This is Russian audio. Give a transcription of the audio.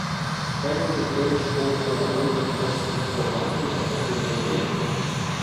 Павел Петрович поднял на воздух нож с куском масла на конце лезвия.